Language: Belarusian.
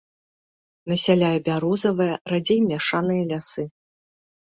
Насяляе бярозавыя, радзей мяшаныя лясы.